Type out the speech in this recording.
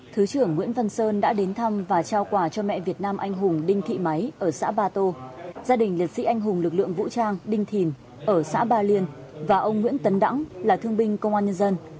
thứ trưởng nguyễn văn sơn đã đến thăm và trao quà cho mẹ việt nam anh hùng đinh thị máy ở xã ba tô gia đình liệt sĩ anh hùng lực lượng vũ trang đinh thìn ở xã ba liên và ông nguyễn tấn đẳng là thương binh công an nhân dân